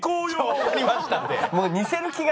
わかりましたって。